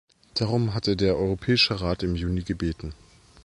Darum hatte der Europäische Rat im Juni gebeten.